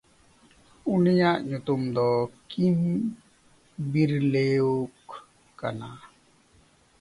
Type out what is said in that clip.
ᱩᱱᱤᱭᱟᱜ ᱧᱩᱛᱩᱢ ᱫᱚ ᱠᱤᱢᱵᱮᱨᱞᱮᱭᱜᱷ ᱠᱟᱱᱟ᱾